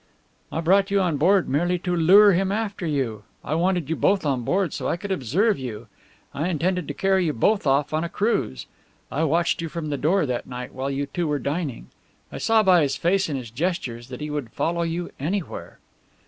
"I brought you on board merely to lure him after you. I wanted you both on board so I could observe you. I intended to carry you both off on a cruise. I watched you from the door that night while you two were dining. I saw by his face and his gestures that he would follow you anywhere."